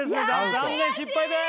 残念失敗です